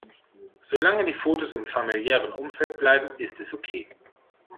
Solange die Fotos im familiären Umfeld bleiben, ist es okay.